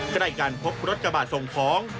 ใกล้กันพบรถกระบาดส่งของ